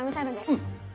うん。